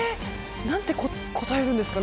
何て答えるんですかね。